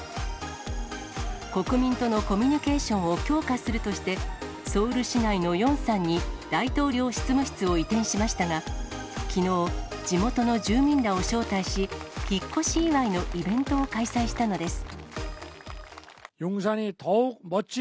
国民とのコミュニケーションを強化するとして、ソウル市内のヨンサンに大統領執務室を移転しましたが、きのう、地元の住民らを招待し、引っ越し祝いのイベントを開催したのです。